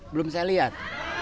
belum saya lihat